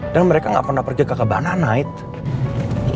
dan mereka gak pernah pergi ke kakak banana night